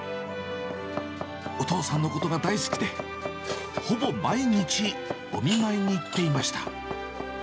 お父さんのことが大好きで、ほぼ毎日お見舞いに行っていました。